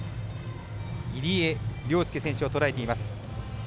入江陵介選手を捉えています。